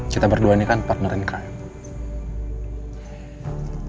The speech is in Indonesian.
kita berdua ini kan partnerin keren